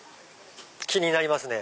気になりますね。